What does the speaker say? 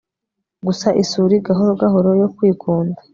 gusa isuri gahoro gahoro yo kwikunda